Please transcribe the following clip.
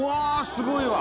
すごいわ！